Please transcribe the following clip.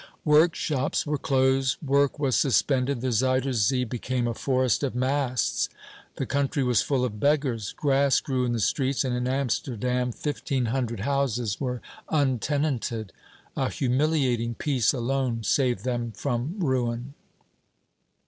Workshops were closed, work was suspended. The Zuyder Zee became a forest of masts; the country was full of beggars; grass grew in the streets, and in Amsterdam fifteen hundred houses were untenanted." A humiliating peace alone saved them from ruin.